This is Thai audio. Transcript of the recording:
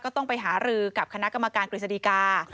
ต้องไปหารือกับคณะกรรมการกฤษฎีกา